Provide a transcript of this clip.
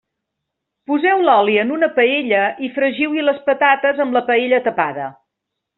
Poseu oli en una paella i fregiu-hi les patates amb la paella tapada.